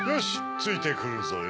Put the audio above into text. ついてくるぞよ。